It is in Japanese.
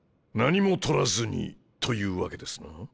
何も取らずにというわけですな？